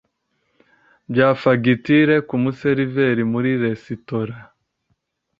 bya fagitire ku museriveri muri resitora